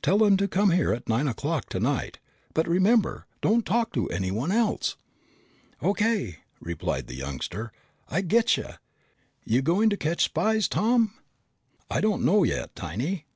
Tell them to come here at nine o'clock tonight. But remember, don't talk to anyone else!" "O.K.!" replied the youngster. "I getcha! You going to catch spies, Tom?" "I don't know yet, Tiny.